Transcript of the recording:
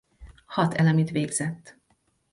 Hat elemit végzett.